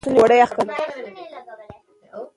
چي په ژوند یې د لمر مخ نه دی لیدلی